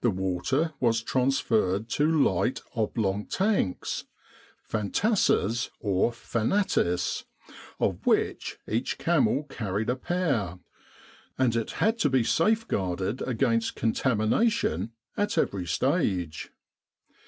The water was transferred to light oblong tanks (fantasses or fanatis), of which each camel car ried a pair, and it had to be safeguarded against '53 With the R.A.M.C. in Egypt contamination at every stage.